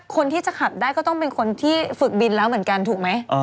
คนที่จะขับได้ก็ต้องเป็นคนที่ฝึกบินแล้วเหมือนกันถูกไหม